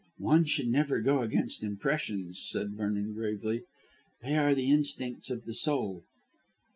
"One should never go against impressions," said Vernon gravely; "They are the instincts of the soul."